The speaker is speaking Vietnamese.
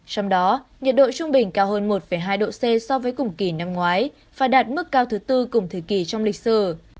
trong đó nhiệt độ trung bình cao hơn một hai độ c so với cùng kỳ năm ngoái và đạt mức cao thứ tư cùng thời kỳ trong lịch sử